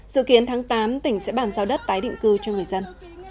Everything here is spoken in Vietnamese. dự kiến tháng tám tỉnh sẽ bàn giao đất tái định cư cho người dân